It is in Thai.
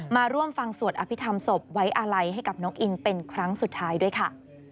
มาร่วมฟังสวดอภิษฐรรมศพไว้อาลัยให้กับน้องอิงเป็นครั้งสุดท้ายด้วยค่ะ